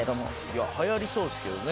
いや流行りそうですけどね。